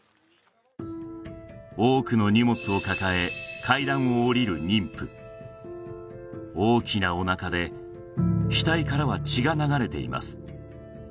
多くの荷物を抱え階段を下りる妊婦大きなおなかで流れています